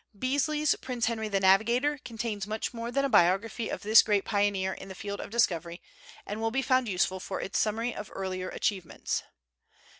Beazley's "Prince Henry the Navigator," contains much more than a biography of this great pioneer in the field of discovery, and will be found useful for its summary of earlier achievements.